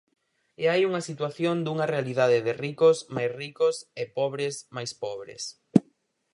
E hai unha situación dunha realidade de ricos máis ricos e pobres máis pobres.